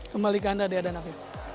kembali ke anda dea dan afif